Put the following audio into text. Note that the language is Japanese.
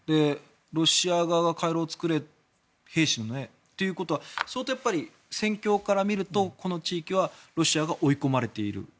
ロシア側が回廊を作れというのは戦況から見るとこの地域はロシアが追い込まれている？